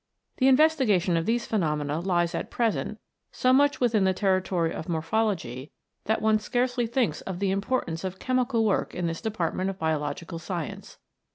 The investigation of these phenomena lies at present so much within the territory of morphology that one scarcely thinks of the importance of chemical work in this department of biological science.